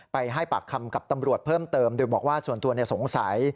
ให้ปากคำกับตำรวจเพิ่มเติมโดยบอกว่าส่วนตัวสงสัย